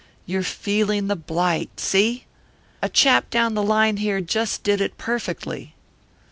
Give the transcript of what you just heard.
You're feeling the blight, see? A chap down the line here just did it perfectly.